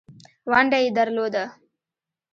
ونډه یې درلوده.